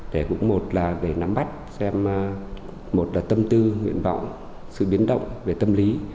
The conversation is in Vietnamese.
để cũng một là để nắm bắt xem một là tâm tư nguyện vọng sự biến động về tâm lý